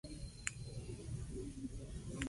Posteriormente, comenzó a estudiar actuación.